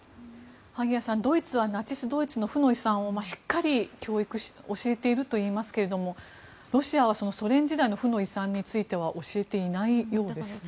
萩谷さん、ドイツはナチス・ドイツの負の遺産をしっかり教えているといいますがロシアはソ連時代の負の遺産については教えていないようです。